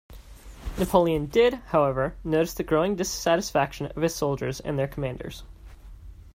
Napoleon did, however, notice the growing dissatisfaction of his soldiers and their commanders.